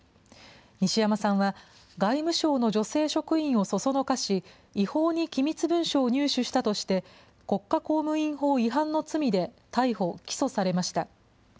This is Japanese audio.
西山さんは外務省の女性職員を唆し、違法に機密文書を入手したとして、国家公務員法違反の罪で、逮捕・起訴されました。